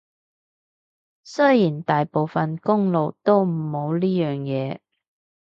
雖然大部分公路都冇呢樣嘢